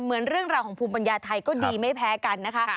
เหมือนเรื่องราวของภูมิปัญญาไทยก็ดีไม่แพ้กันนะคะ